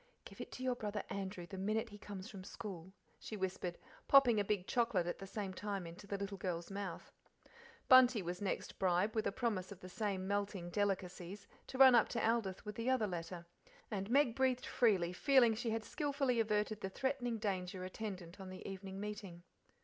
"'Give it to your brother Andrew the minute he comes from school," she whispered, popping a big chocolate at the same time into the little girl's mouth. Bunty was next bribed, with a promise of the same melting delicacies, to run up to Aldith's with the other letter, and Meg breathed freely ago feeling she had skilfully averted the threatening danger attendant on the evening meeting.